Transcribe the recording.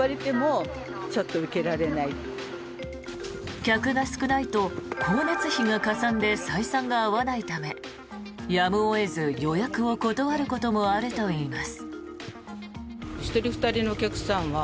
客が少ないと光熱費がかさんで採算が合わないためやむを得ず、予約を断ることもあるといいます。